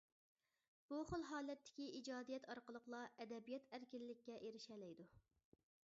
بۇ خىل ھالەتتىكى ئىجادىيەت ئارقىلىقلا ئەدەبىيات ئەركىنلىككە ئېرىشەلەيدۇ.